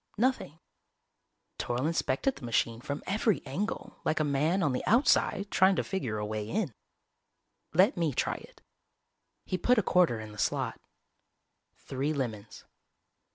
Nothing. Toryl inspected the machine from every angle, like a man on the outside trying to figure a way in. "Let me try it." He put a quarter in the slot. Three lemons.